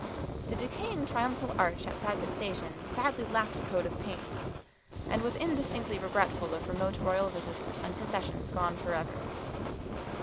The decaying triumphal arch outside the station sadly lacked a coat of paint, and was indistinctly regretful of remote royal visits and processions gone for ever.